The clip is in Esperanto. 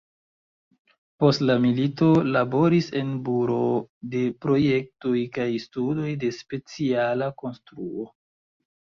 Post la milito laboris en Buroo de Projektoj kaj Studoj de Speciala Konstruo.